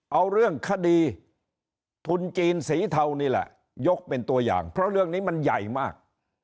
เอาเรื่องคดีทุนจีนสีเทานี่แหละยกเป็นตัวอย่างเพราะเรื่องนี้มันใหญ่มาก